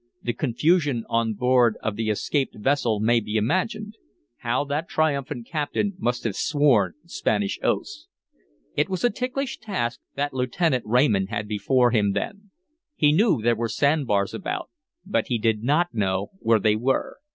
The confusion on board of the "escaped" vessel may be imagined. How that triumphant captain must have sworn Spanish oaths. It was a ticklish task that Lieutenant Raymond had before him then. He knew there were sand bars about. But he did not know where they were.